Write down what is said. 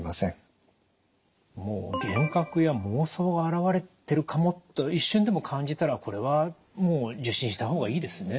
もう幻覚や妄想が現れてるかもと一瞬でも感じたらこれはもう受診したほうがいいですね。